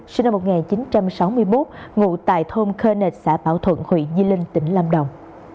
sinh năm một nghìn chín trăm sáu mươi một ngụ tại thôn cơ nệt xã bảo thuận huy nhi linh tỉnh lam đồng